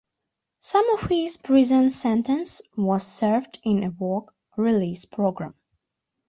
Some of his prison sentence was served in a work release program.